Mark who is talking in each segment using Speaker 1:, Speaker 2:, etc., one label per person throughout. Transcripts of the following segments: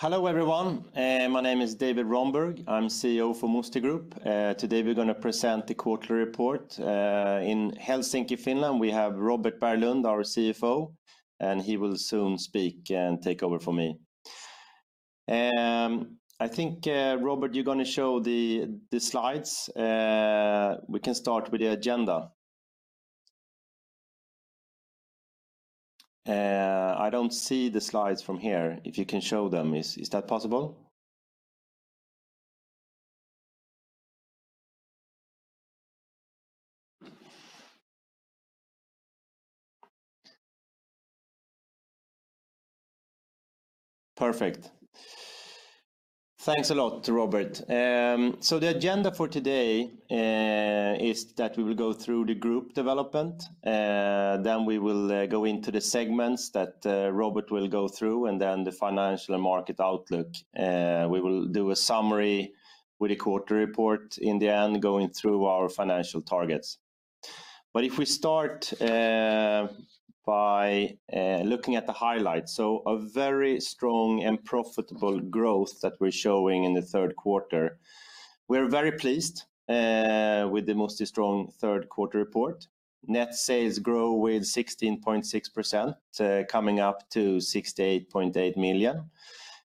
Speaker 1: Hello, everyone. My name is David Rönnberg. I'm CEO for Musti Group. Today, we're going to present the quarterly report in Helsinki, Finland. We have Robert Berglund, our CFO, and he will soon speak and take over for me. I think, Robert, you're going to show the slides. We can start with the agenda. I don't see the slides from here. If you can show them, is that possible? Perfect. Thanks a lot, Robert. The agenda for today is that we will go through the group development, then we will go into the segments that Robert will go through, and then the financial and market outlook. We will do a summary with a quarter report in the end, going through our financial targets. If we start by looking at the highlights, so a very strong and profitable growth that we're showing in the third quarter. We're very pleased with the Musti strong third quarter report. Net sales grow with 16.6% to coming up to 68.8 million.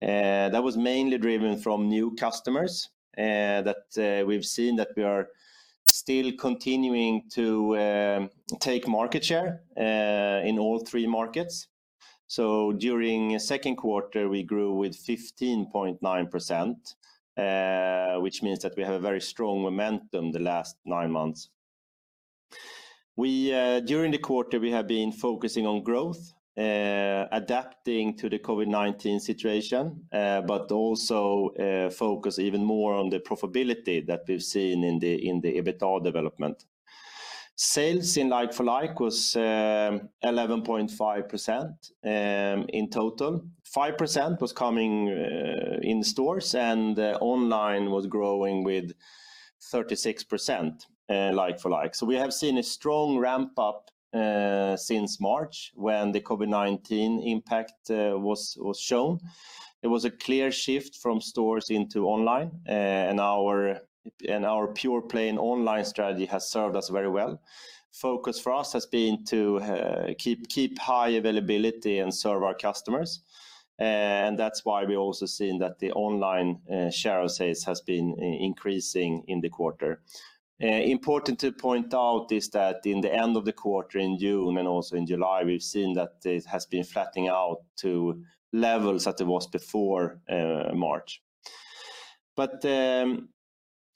Speaker 1: That was mainly driven from new customers that we've seen that we are still continuing to take market share in all three markets. During second quarter, we grew with 15.9%, which means that we have a very strong momentum the last nine months. During the quarter, we have been focusing on growth, adapting to the COVID-19 situation, but also focus even more on the profitability that we've seen in the EBITDA development. Sales in like-for-like was 11.5% in total. 5% was coming in stores and online was growing with 36% like-for-like. We have seen a strong ramp up since March when the COVID-19 impact was shown. It was a clear shift from stores into online, and our pure play in online strategy has served us very well. Focus for us has been to keep high availability and serve our customers. That's why we also seen that the online share of sales has been increasing in the quarter. Important to point out is that in the end of the quarter in June and also in July, we've seen that it has been flattening out to levels that it was before March.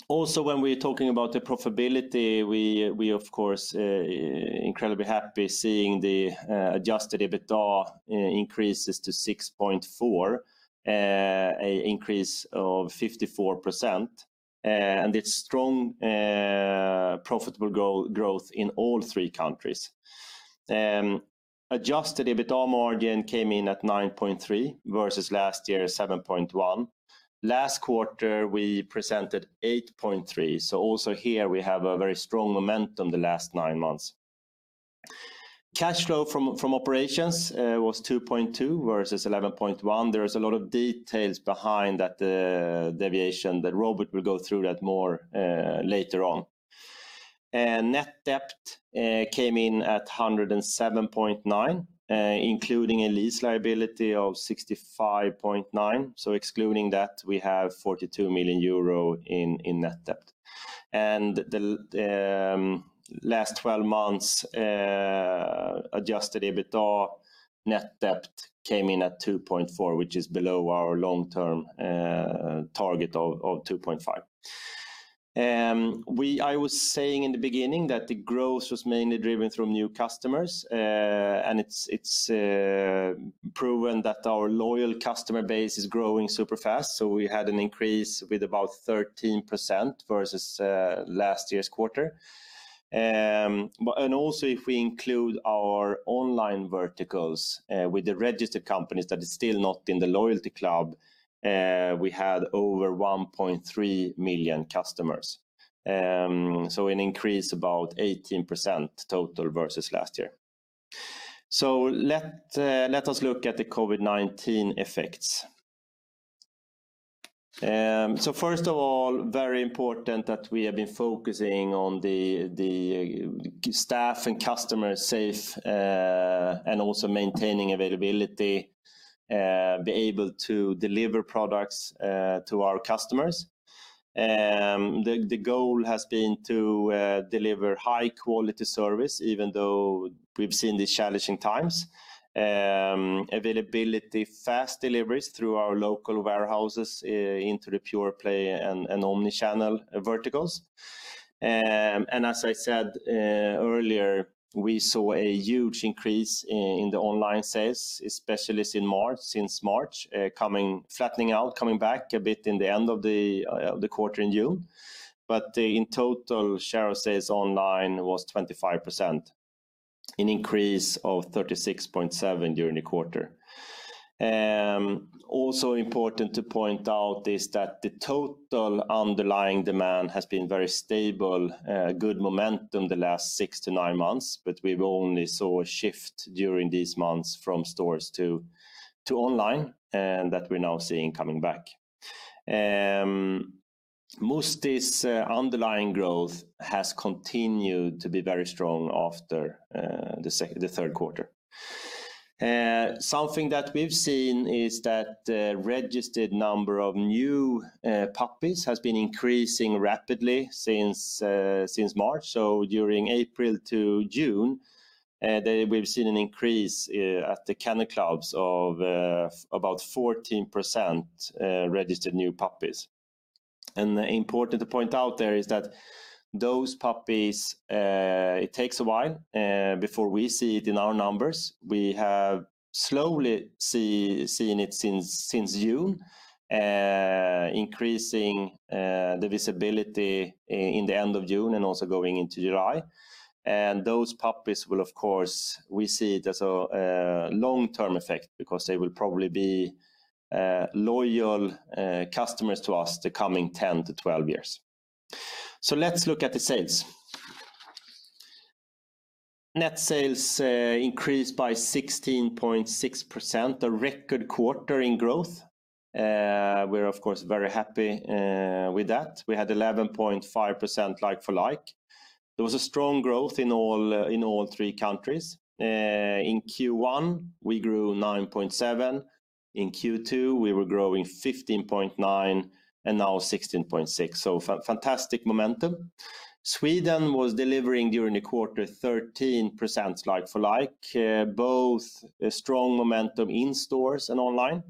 Speaker 1: Also when we're talking about the profitability, we of course, incredibly happy seeing the Adjusted EBITDA increases to 6.4, a increase of 54%, and it's strong profitable growth in all three countries. Adjusted EBITDA margin came in at 9.3% versus last year, 7.1%. Last quarter, we presented 8.3%. Also here we have a very strong momentum the last nine months. Cash flow from operations was 2.2 versus 11.1. There is a lot of details behind that deviation that Robert will go through that more later on. Net debt came in at 107.9, including a lease liability of 65.9. Excluding that, we have 42 million euro in net debt. The last 12 months, Adjusted EBITDA, net debt came in at 2.4, which is below our long-term target of 2.5. I was saying in the beginning that the growth was mainly driven through new customers, and it's proven that our loyal customer base is growing super fast. We had an increase with about 13% versus last year's quarter. Also if we include our online verticals with the registered companies that is still not in the loyalty club, we had over 1.3 million customers. An increase about 18% total versus last year. Let us look at the COVID-19 effects. First of all, very important that we have been focusing on the staff and customers safe, and also maintaining availability, be able to deliver products to our customers. The goal has been to deliver high quality service, even though we've seen these challenging times. Availability, fast deliveries through our local warehouses into the pure play and omnichannel verticals. As I said earlier, we saw a huge increase in the online sales, especially since March, flattening out, coming back a bit in the end of the quarter in June. In total, share of sales online was 25%, an increase of 36.7% during the quarter. Also important to point out is that the total underlying demand has been very stable, good momentum the last six to nine months, but we've only saw a shift during these months from stores to online, and that we're now seeing coming back. Musti's underlying growth has continued to be very strong after the third quarter. Something that we've seen is that registered number of new puppies has been increasing rapidly since March. During April to June, we've seen an increase at the kennel clubs of about 14% registered new puppies. Important to point out there is that those puppies, it takes a while before we see it in our numbers. We have slowly seen it since June, increasing the visibility in the end of June and also going into July. Those puppies will, of course, we see it as a long-term effect because they will probably be loyal customers to us the coming 10 to 12 years. Let's look at the sales. Net sales increased by 16.6%, a record quarter in growth. We're of course very happy with that. We had 11.5% like-for-like. There was a strong growth in all three countries. In Q1, we grew 9.7%. In Q2, we were growing 15.9%, and now 16.6%. Fantastic momentum. Sweden was delivering during the quarter 13% like-for-like, both a strong momentum in stores and online.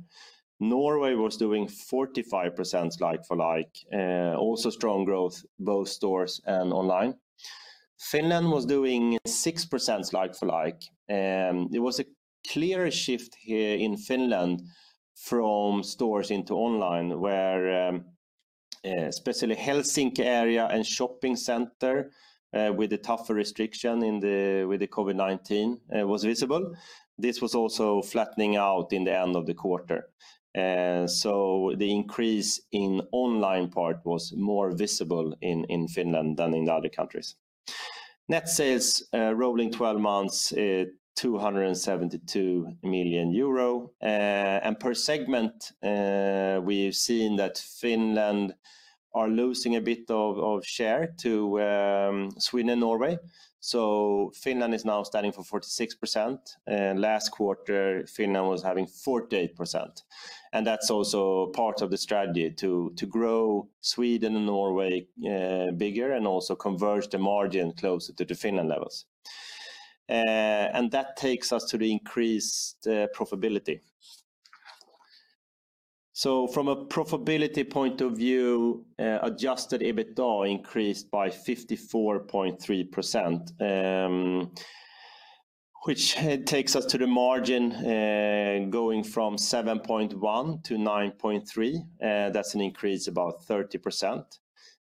Speaker 1: Norway was doing 45% like-for-like, also strong growth, both stores and online. Finland was doing 6% like-for-like. There was a clear shift here in Finland from stores into online, where especially Helsinki area and shopping center, with the tougher restriction with the COVID-19, was visible. This was also flattening out in the end of the quarter. The increase in online part was more visible in Finland than in the other countries. Net sales, rolling 12 months, 272 million euro. Per segment, we've seen that Finland are losing a bit of share to Sweden, Norway. Finland is now standing for 46%, and last quarter Finland was having 48%. That's also part of the strategy to grow Sweden and Norway bigger and also converge the margin closer to the Finland levels. That takes us to the increased profitability. From a profitability point of view, Adjusted EBITDA increased by 54.3%, which takes us to the margin going from 7.1 to 9.3. That's an increase about 30%.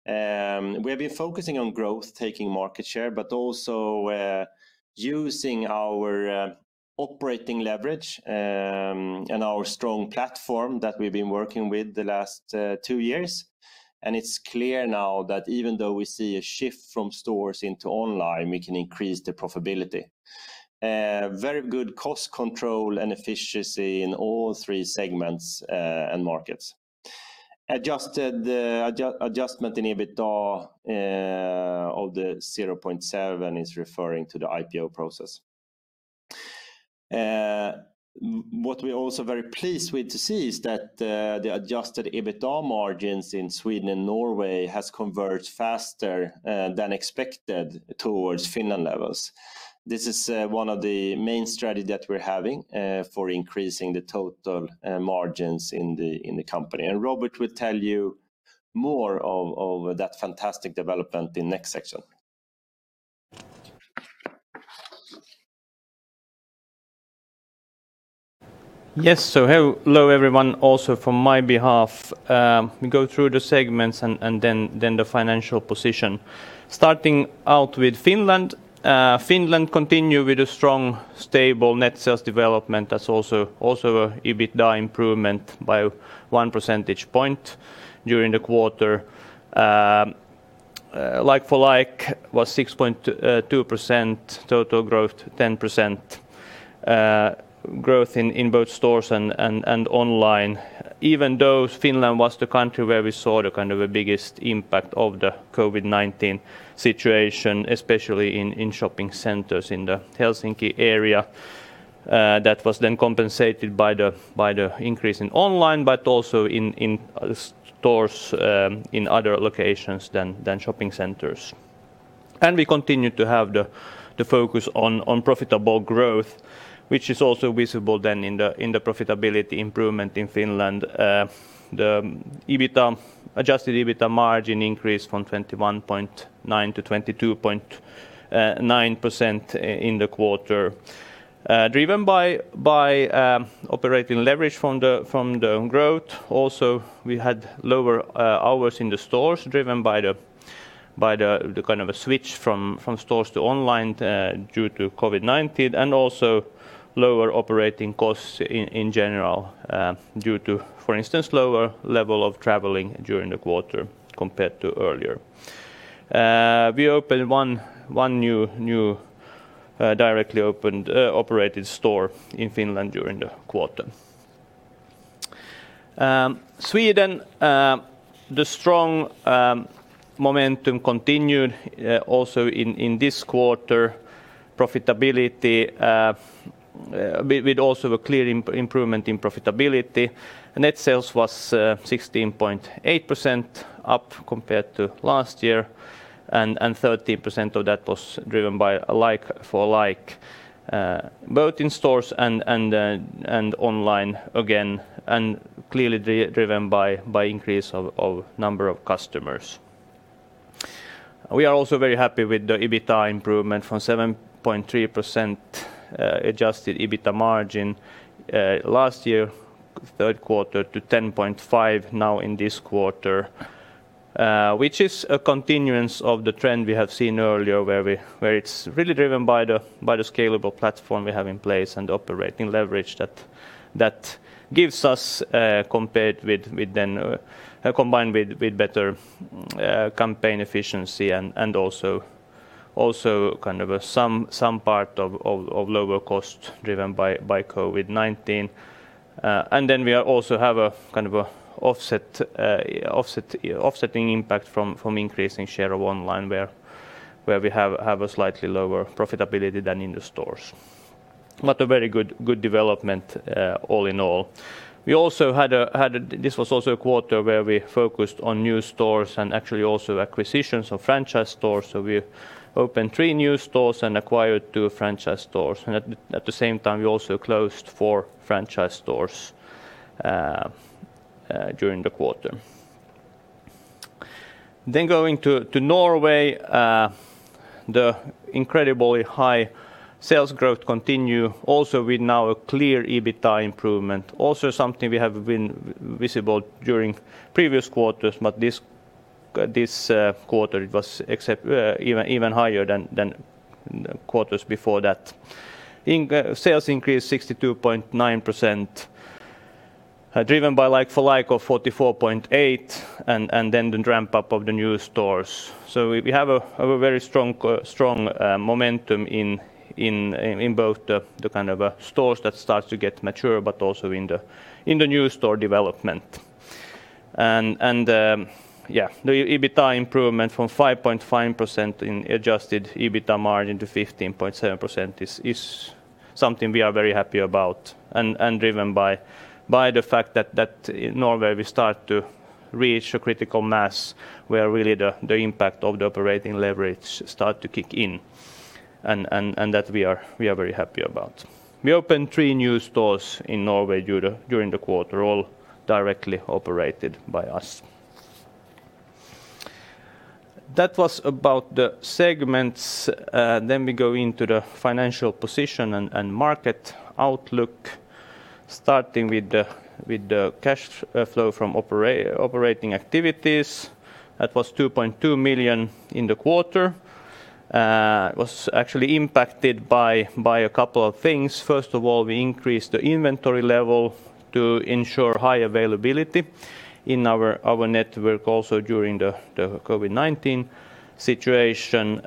Speaker 1: We have been focusing on growth, taking market share, but also using our operating leverage and our strong platform that we've been working with the last two years. It's clear now that even though we see a shift from stores into online, we can increase the profitability. Very good cost control and efficiency in all three segments and markets. Adjustment in EBITDA of the 0.7 is referring to the IPO process. What we're also very pleased with to see is that the Adjusted EBITDA margins in Sweden and Norway has converged faster than expected towards Finland levels. This is one of the main strategy that we're having for increasing the total margins in the company. Robert will tell you more of that fantastic development in next section.
Speaker 2: Yes. Hello, everyone, also from my behalf. We go through the segments and then the financial position. Starting out with Finland. Finland continue with a strong, stable net sales development. That's also EBITDA improvement by one percentage point during the quarter. Like-for-like was 6.2%, total growth 10%, growth in both stores and online, even though Finland was the country where we saw the kind of biggest impact of the COVID-19 situation, especially in shopping centers in the Helsinki area. That was compensated by the increase in online, but also in stores in other locations than shopping centers. We continue to have the focus on profitable growth, which is also visible then in the profitability improvement in Finland. The Adjusted EBITDA margin increased from 21.9%-22.9% in the quarter, driven by operating leverage from the growth. We had lower hours in the stores driven by the switch from stores to online due to COVID-19, and also lower operating costs in general due to, for instance, lower level of traveling during the quarter compared to earlier. We opened one new directly operated store in Finland during the quarter. Sweden, the strong momentum continued also in this quarter. We'd also a clear improvement in profitability. Net sales was 16.8% up compared to last year, and 30% of that was driven by like-for-like, both in stores and online again, and clearly driven by increase of number of customers. We are also very happy with the EBITDA improvement from 7.3% Adjusted EBITDA margin last year, third quarter, to 10.5% now in this quarter, which is a continuance of the trend we have seen earlier where it's really driven by the scalable platform we have in place and operating leverage that gives us, combined with better campaign efficiency, and also some part of lower cost driven by COVID-19. We also have an offsetting impact from increasing share of online, where we have a slightly lower profitability than in the stores. A very good development all in all. This was also a quarter where we focused on new stores and actually also acquisitions of franchise stores. We opened three new stores and acquired two franchise stores. At the same time, we also closed four franchise stores during the quarter. Going to Norway, the incredibly high sales growth continue also with now a clear EBITDA improvement. Something we have been visible during previous quarters, but this quarter it was even higher than the quarters before that. Sales increased 62.9%, driven by like-for-like of 44.8%, and then the ramp-up of the new stores. We have a very strong momentum in both the stores that starts to get mature, but also in the new store development. Yeah, the EBITDA improvement from 5.5% in Adjusted EBITDA margin to 15.7% is something we are very happy about, and driven by the fact that in Norway, we start to reach a critical mass where really the impact of the operating leverage start to kick in. That we are very happy about. We opened three new stores in Norway during the quarter, all directly operated by us. That was about the segments. We go into the financial position and market outlook, starting with the cash flow from operating activities. That was 2.2 million in the quarter. It was actually impacted by a couple of things. First of all, we increased the inventory level to ensure high availability in our network also during the COVID-19 situation.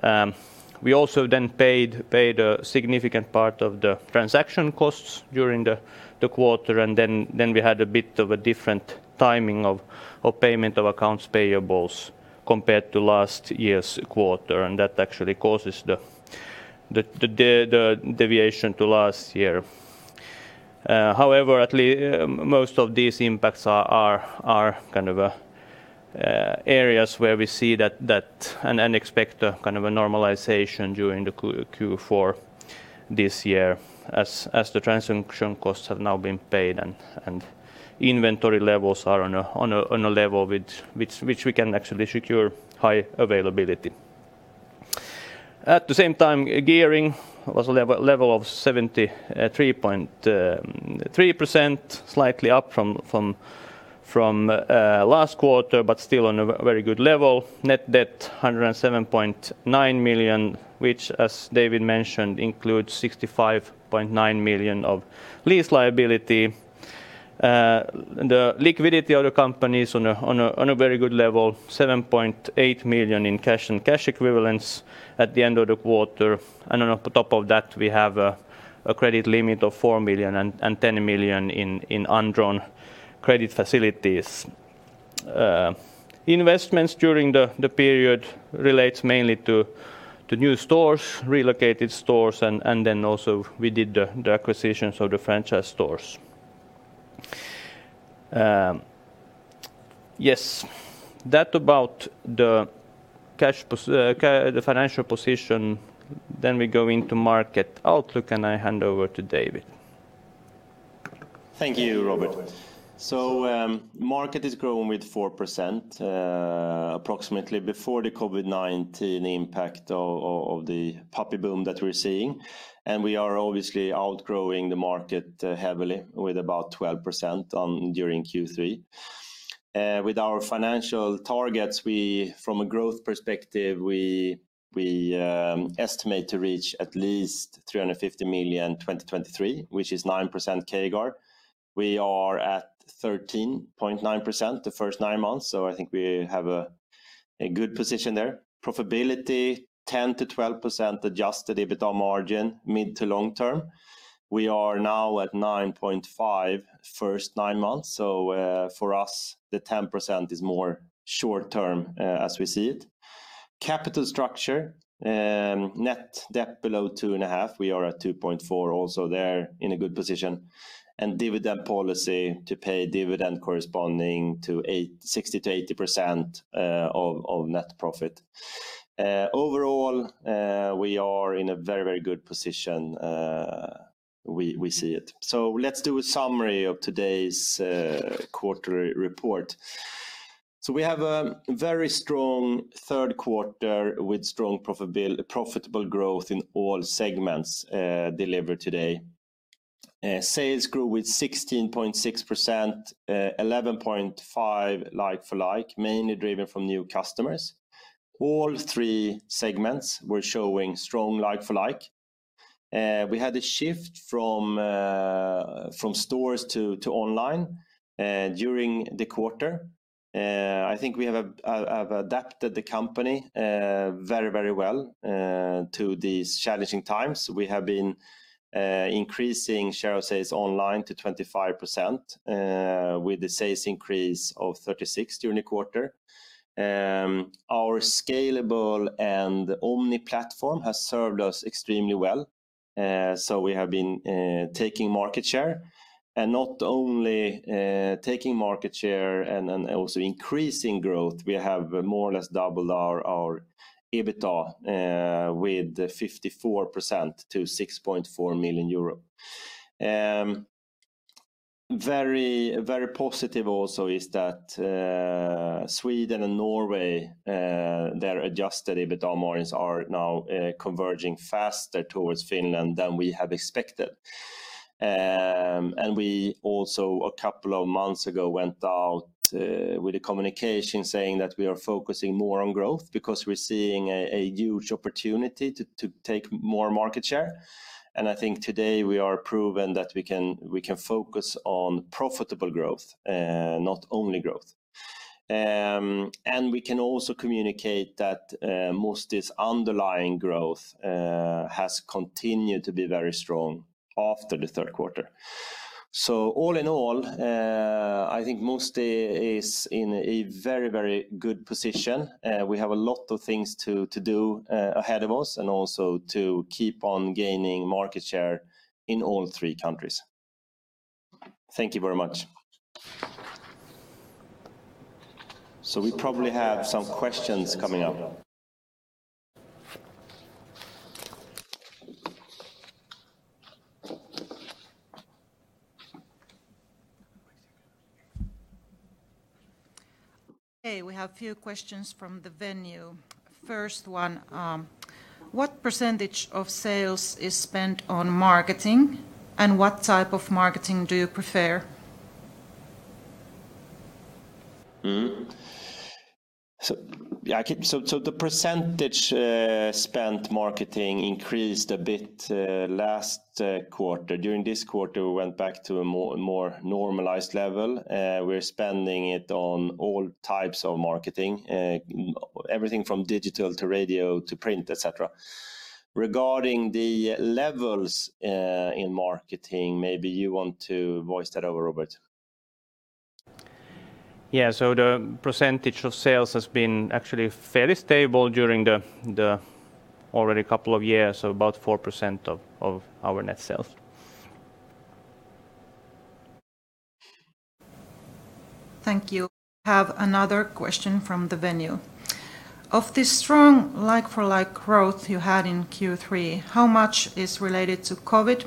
Speaker 2: We also then paid a significant part of the transaction costs during the quarter, and then we had a bit of a different timing of payment of accounts payables compared to last year's quarter, and that actually causes the deviation to last year. However, most of these impacts are areas where we see that and expect a normalization during the Q4 this year, as the transaction costs have now been paid and inventory levels are on a level which we can actually secure high availability. At the same time, gearing was a level of 73.3%, slightly up from last quarter, but still on a very good level. Net debt, 107.9 million, which, as David mentioned, includes 65.9 million of lease liability. The liquidity of the company is on a very good level, 7.8 million in cash and cash equivalents at the end of the quarter. On top of that, we have a credit limit of 4 million and 10 million in undrawn credit facilities. Investments during the period relates mainly to new stores, relocated stores, and then also we did the acquisitions of the franchise stores. Yes. That about the financial position. We go into market outlook, and I hand over to David.
Speaker 1: Thank you, Robert. Market is growing with 4%, approximately before the COVID-19 impact of the puppy boom that we're seeing, and we are obviously outgrowing the market heavily with about 12% during Q3. With our financial targets, from a growth perspective, we estimate to reach at least 350 million 2023, which is 9% CAGR. We are at 13.9% the first nine months, so I think we have a good position there. Profitability, 10%-12% Adjusted EBITDA margin, mid to long term. We are now at 9.5% first nine months, so for us, the 10% is more short term as we see it. Capital structure, net debt below 2.5. We are at 2.4, also there in a good position. Dividend policy to pay dividend corresponding to 60%-80% of net profit. Overall, we are in a very good position. We see it. Let's do a summary of today's quarterly report. We have a very strong third quarter with strong, profitable growth in all segments delivered today. Sales grew with 16.6%, 11.5 like-for-like, mainly driven from new customers. All three segments were showing strong like-for-like. We had a shift from stores to online during the quarter. I think we have adapted the company very well to these challenging times. We have been increasing share of sales online to 25%, with the sales increase of 36% during the quarter. Our scalable and omni platform has served us extremely well. We have been taking market share, and not only taking market share and also increasing growth, we have more or less doubled our EBITDA with 54% to EUR 6.4 million. Very positive also is that Sweden and Norway, their Adjusted EBITDA margins are now converging faster towards Finland than we have expected. We also, a couple of months ago, went out with a communication saying that we are focusing more on growth because we're seeing a huge opportunity to take more market share. I think today we are proven that we can focus on profitable growth, not only growth. We can also communicate that Musti's underlying growth has continued to be very strong after the third quarter. All in all, I think Musti is in a very good position. We have a lot of things to do ahead of us, and also to keep on gaining market share in all three countries. Thank you very much. We probably have some questions coming up.
Speaker 3: Okay, we have a few questions from the venue. First one, what % of sales is spent on marketing, and what type of marketing do you prefer?
Speaker 1: The % spent marketing increased a bit last quarter. During this quarter, we went back to a more normalized level. We're spending it on all types of marketing, everything from digital to radio to print, et cetera. Regarding the levels in marketing, maybe you want to voice that over, Robert.
Speaker 2: Yeah. The % of sales has been actually fairly stable during the already couple of years, so about 4% of our net sales.
Speaker 3: Thank you. Have another question from the venue. Of this strong like-for-like growth you had in Q3, how much is related to COVID,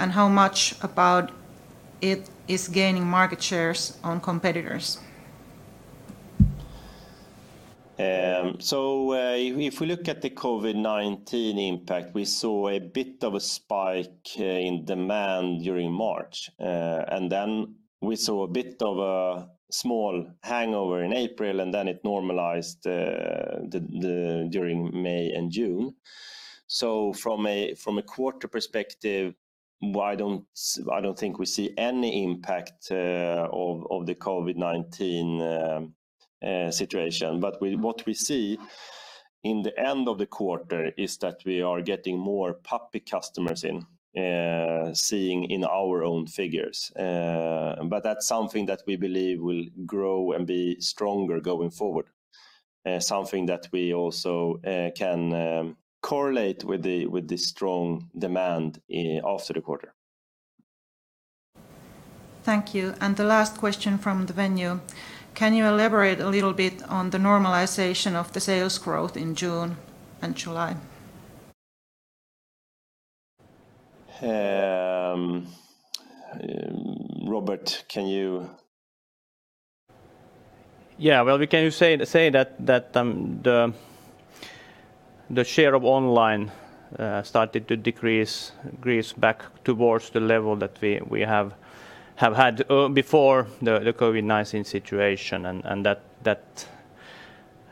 Speaker 3: and how much about it is gaining market shares on competitors?
Speaker 1: If we look at the COVID-19 impact, we saw a bit of a spike in demand during March, then we saw a bit of a small hangover in April, then it normalized during May and June. From a quarter perspective, I don't think we see any impact of the COVID-19 situation. What we see in the end of the quarter is that we are getting more puppy customers in, seeing in our own figures. That's something that we believe will grow and be stronger going forward, something that we also can correlate with the strong demand after the quarter.
Speaker 3: Thank you. The last question from the venue. Can you elaborate a little bit on the normalization of the sales growth in June and July?
Speaker 1: Robert, can you
Speaker 2: Yeah. Well, we can say that the share of online started to decrease back towards the level that we have had before the COVID-19 situation.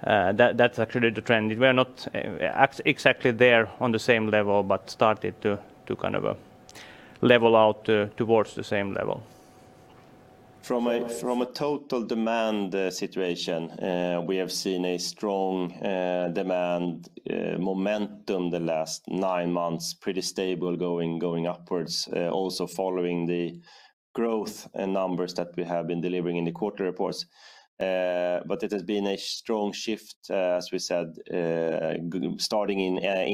Speaker 2: That's actually the trend. We are not exactly there on the same level, but started to level out towards the same level.
Speaker 1: From a total demand situation, we have seen a strong demand momentum the last nine months, pretty stable, going upwards, also following the growth and numbers that we have been delivering in the quarter reports. It has been a strong shift, as we said, starting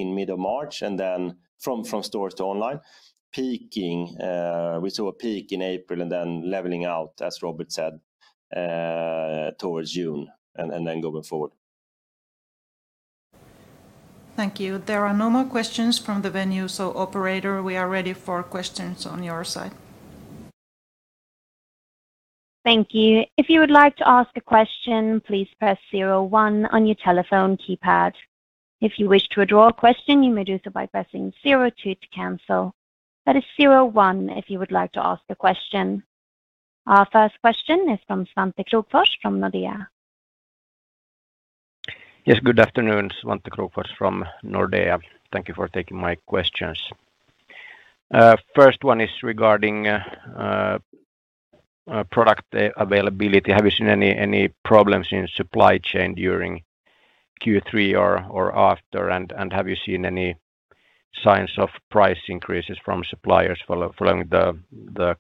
Speaker 1: in mid of March, and then from stores to online. We saw a peak in April and then leveling out, as Robert said, towards June, and then going forward.
Speaker 3: Thank you. There are no more questions from the venue. Operator, we are ready for questions on your side.
Speaker 4: Thank you. If you would like to ask a question, please press zero one on your telephone keypad. If you wish to withdraw a question, you may do so by pressing zero two to cancel. That is zero one if you would like to ask a question. Our first question is from Svante Krokfors from Nordea.
Speaker 5: Yes. Good afternoon, Svante Krokfors from Nordea. Thank you for taking my questions. First one is regarding product availability. Have you seen any problems in supply chain during Q3 or after? Have you seen any signs of price increases from suppliers following the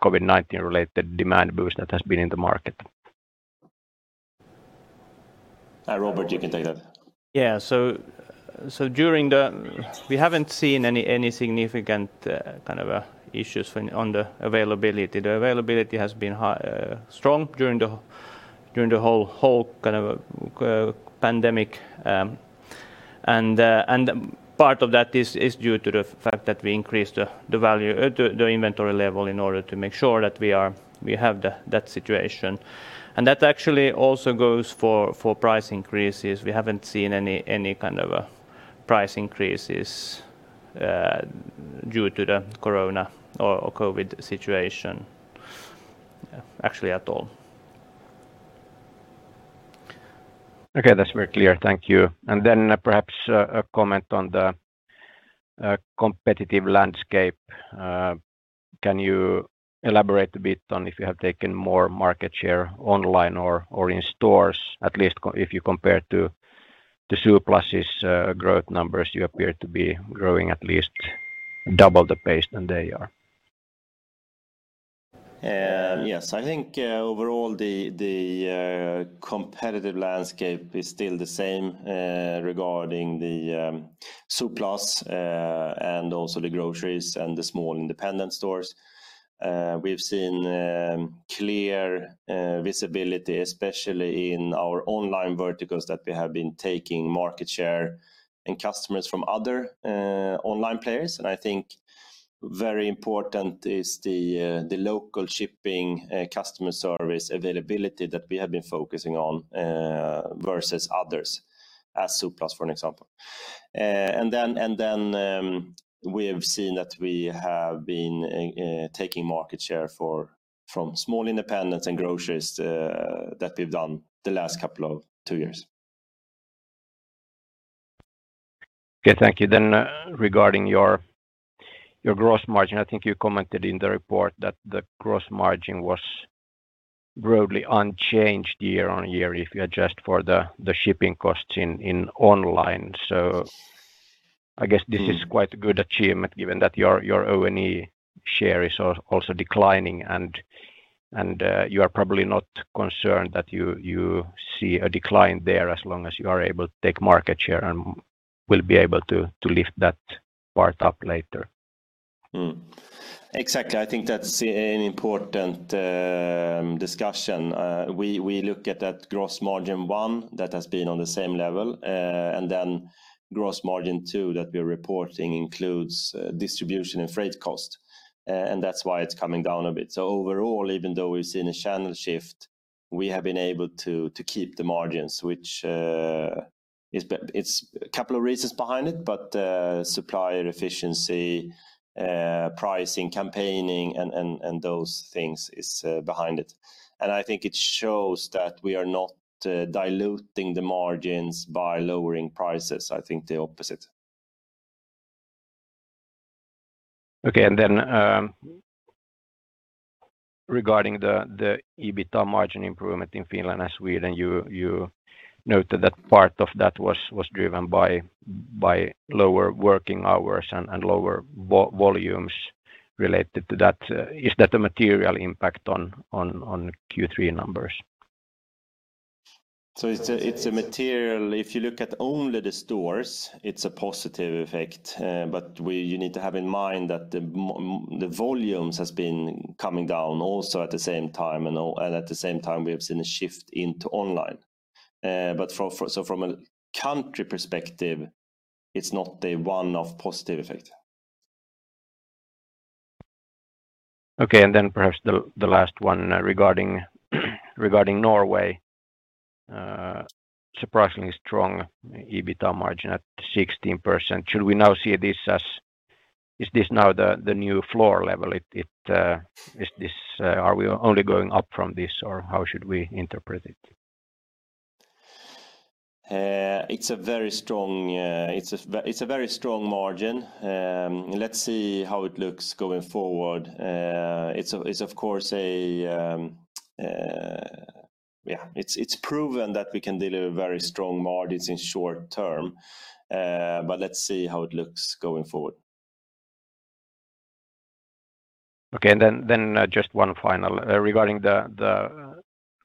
Speaker 5: COVID-19 related demand boost that has been in the market?
Speaker 1: Robert, you can take that.
Speaker 2: Yeah. We haven't seen any significant issues on the availability. The availability has been strong during the whole pandemic, and part of that is due to the fact that we increased the inventory level in order to make sure that we have that situation. That actually also goes for price increases. We haven't seen any kind of price increases due to the corona or COVID situation actually at all.
Speaker 5: Okay, that's very clear. Thank you. Then perhaps a comment on the competitive landscape. Can you elaborate a bit on if you have taken more market share online or in stores, at least if you compare to the S Group's growth numbers, you appear to be growing at least double the pace than they are.
Speaker 1: Yes. I think overall the competitive landscape is still the same regarding the S Group and also the groceries and the small independent stores. We've seen clear visibility, especially in our online verticals, that we have been taking market share and customers from other online players. I think very important is the local shipping customer service availability that we have been focusing on versus others as S Group, for an example. Then we have seen that we have been taking market share from small independents and groceries that we've done the last couple of two years.
Speaker 5: Okay, thank you. Regarding your gross margin, I think you commented in the report that the gross margin was broadly unchanged year-over-year if you adjust for the shipping costs in online. I guess this is quite a good achievement given that your O&E share is also declining and you are probably not concerned that you see a decline there as long as you are able to take market share and will be able to lift that part up later.
Speaker 1: Exactly. I think that's an important discussion. We look at that gross margin one that has been on the same level, and then gross margin two that we're reporting includes distribution and freight cost. That's why it's coming down a bit. Overall, even though we've seen a channel shift, we have been able to keep the margins, which it's a couple of reasons behind it, but supplier efficiency, pricing, campaigning, and those things is behind it. I think it shows that we are not diluting the margins by lowering prices. I think the opposite.
Speaker 5: Okay. Regarding the EBITDA margin improvement in Finland and Sweden, you noted that part of that was driven by lower working hours and lower volumes related to that. Is that a material impact on Q3 numbers?
Speaker 1: It's a material. If you look at only the stores, it's a positive effect. You need to have in mind that the volumes has been coming down also at the same time, and at the same time, we have seen a shift into online. From a country perspective, it's not a one-off positive effect.
Speaker 5: Okay, perhaps the last one regarding Norway. Surprisingly strong EBITA margin at 16%. Is this now the new floor level? Are we only going up from this or how should we interpret it?
Speaker 1: It's a very strong margin. Let's see how it looks going forward. It's proven that we can deliver very strong margins in short term, but let's see how it looks going forward.
Speaker 5: Okay. Just one final. Regarding the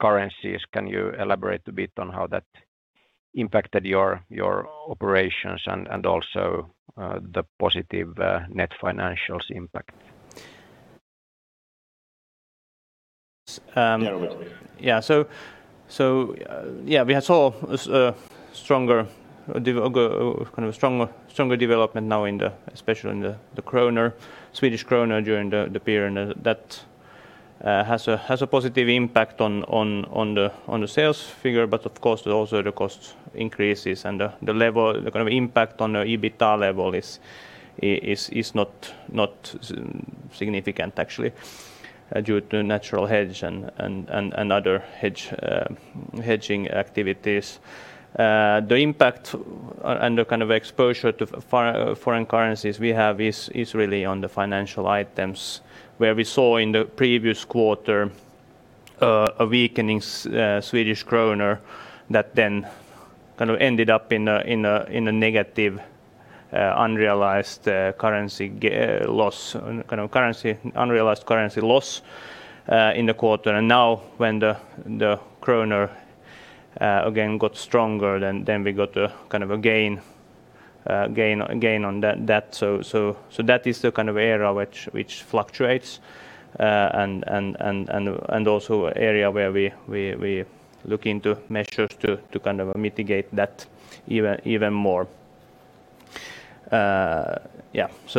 Speaker 5: currencies, can you elaborate a bit on how that impacted your operations and also the positive net financials impact?
Speaker 2: Yeah. We saw a stronger development now especially in the Swedish krona during the period, and that has a positive impact on the sales figure, but of course also the cost increases and the kind of impact on the EBITA level is not significant actually due to natural hedge and other hedging activities. The impact and the kind of exposure to foreign currencies we have is really on the financial items where we saw in the previous quarter a weakening Swedish krona that then kind of ended up in a negative unrealized currency loss in the quarter. Now when the krona again got stronger, then we got a kind of a gain on that. That is the kind of area which fluctuates, and also area where we look into measures to kind of mitigate that even more. It's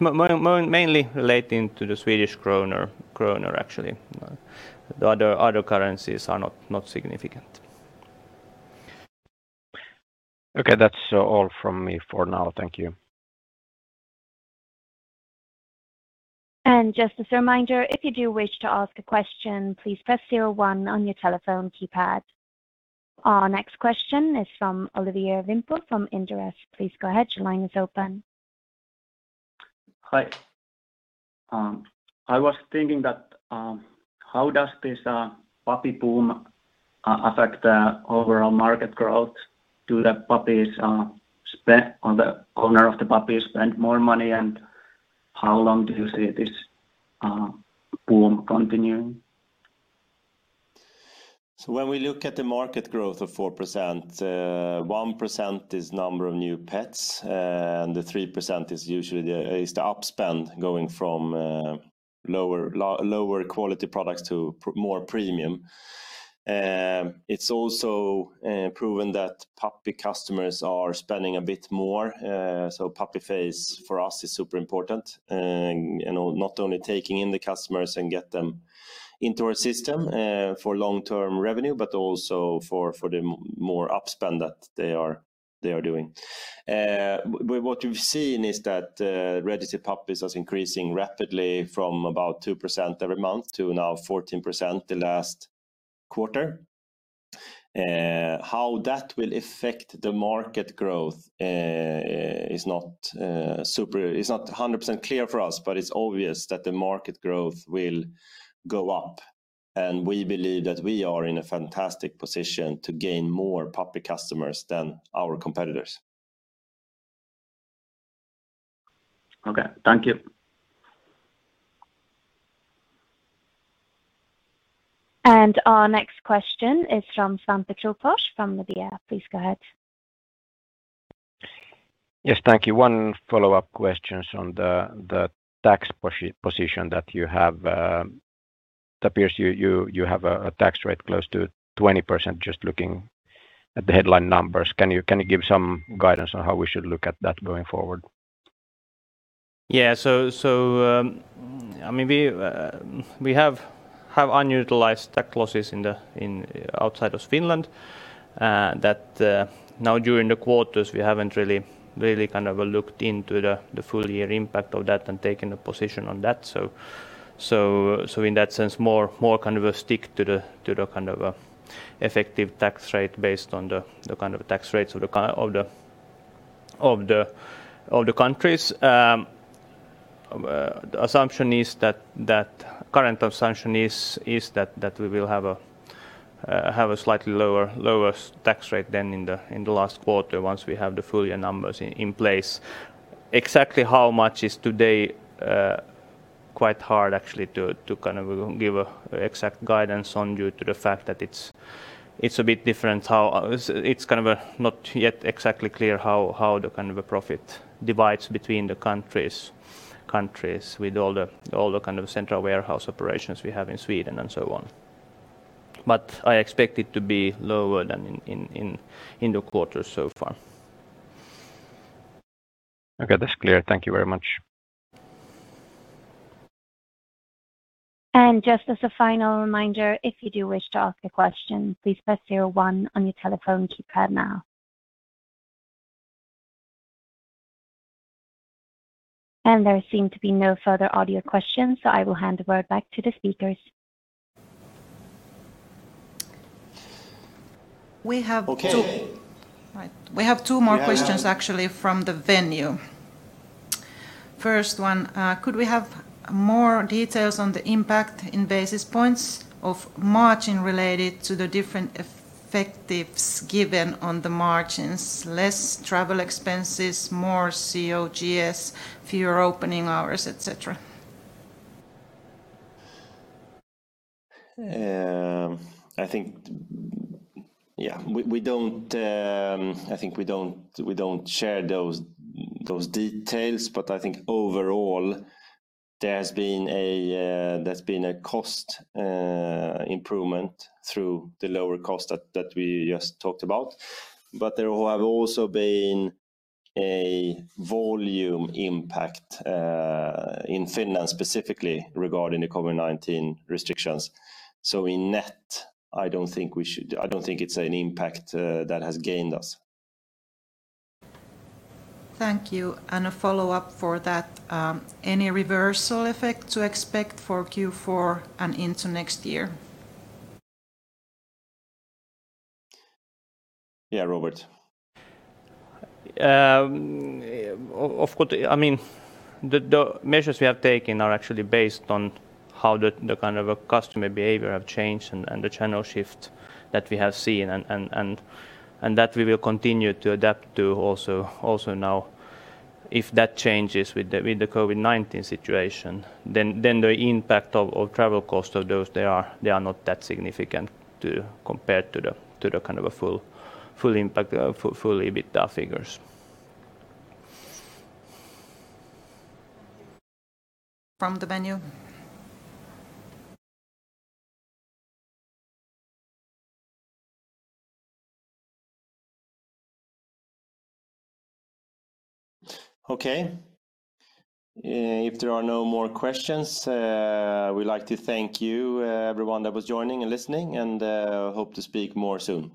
Speaker 2: mainly relating to the Swedish krona actually. The other currencies are not significant.
Speaker 5: Okay. That's all from me for now. Thank you.
Speaker 4: Just as a reminder, if you do wish to ask a question, please press zero one on your telephone keypad. Our next question is from Olli Vilppo from Inderes. Please go ahead. Your line is open.
Speaker 6: Hi. I was thinking that how does this puppy boom affect the overall market growth? Do the owner of the puppies spend more money? How long do you see this boom continuing?
Speaker 1: When we look at the market growth of 4%, 1% is number of new pets, and the 3% is usually the up spend going from lower quality products to more premium. It's also proven that puppy customers are spending a bit more. Puppy phase for us is super important. Not only taking in the customers and get them into our system for long-term revenue, but also for the more up spend that they are doing. What we've seen is that registered puppies is increasing rapidly from about 2% every month to now 14% the last quarter. How that will affect the market growth is not 100% clear for us, but it's obvious that the market growth will go up, and we believe that we are in a fantastic position to gain more puppy customers than our competitors.
Speaker 6: Okay. Thank you.
Speaker 4: Our next question is from Sampo Juhola from Nordea. Please go ahead.
Speaker 7: Yes, thank you. One follow-up questions on the tax position that you have. It appears you have a tax rate close to 20%, just looking at the headline numbers. Can you give some guidance on how we should look at that going forward?
Speaker 2: Yeah. We have unutilized tax losses outside of Finland, that now during the quarters, we haven't really kind of looked into the full year impact of that and taken a position on that. In that sense, more kind of a stick to the kind of effective tax rate based on the kind of tax rates of the countries. Current assumption is that we will have a slightly lower tax rate than in the last quarter once we have the full year numbers in place. Exactly how much is today quite hard actually to kind of give exact guidance on due to the fact that it's a bit different. It's kind of not yet exactly clear how the kind of a profit divides between the countries with all the kind of central warehouse operations we have in Sweden and so on. I expect it to be lower than in the quarter so far.
Speaker 7: Okay, that's clear. Thank you very much.
Speaker 4: Just as a final reminder, if you do wish to ask a question, please press zero one on your telephone keypad now. There seem to be no further audio questions, so I will hand the word back to the speakers.
Speaker 3: We have two.
Speaker 1: Okay.
Speaker 3: We have two more questions actually from the venue. First one, could we have more details on the impact in basis points of margin related to the different effects given on the margins, less travel expenses, more COGS, fewer opening hours, et cetera?
Speaker 1: I think we don't share those details, but I think overall there's been a cost improvement through the lower cost that we just talked about. There have also been a volume impact in Finland, specifically regarding the COVID-19 restrictions. In net, I don't think it's an impact that has gained us.
Speaker 3: Thank you. A follow-up for that, any reversal effect to expect for Q4 and into next year?
Speaker 1: Yeah, Robert.
Speaker 2: Of course, the measures we have taken are actually based on how the customer behavior have changed and the channel shift that we have seen, and that we will continue to adapt to also now. If that changes with the COVID-19 situation, then the impact of travel cost of those, they are not that significant compared to the full impact, fully with the figures.
Speaker 3: From the venue.
Speaker 1: If there are no more questions, we'd like to thank you, everyone that was joining and listening, and hope to speak more soon.